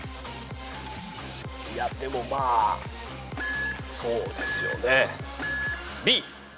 いやでもまあそうですよね。